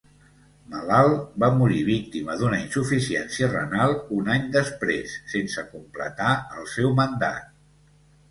Malalt, va morir víctima d'una insuficiència renal un any després, sense completar el seu mandat.